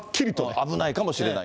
危ないかもしれない。